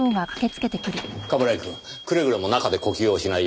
冠城くんくれぐれも中で呼吸をしないように。